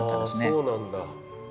あそうなんだ。